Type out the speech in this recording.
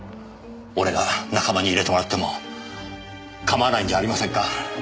俺が仲間に入れてもらっても構わないんじゃありませんか？